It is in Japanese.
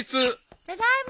ただいま。